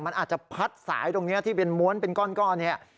มันอาจจะพัดสายตรงนี้ที่เป็นม้วนเป็นก้อนเนี่ย